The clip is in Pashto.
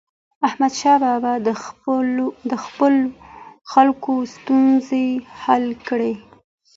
احمدشاه بابا د خپلو خلکو ستونزې حل کړي.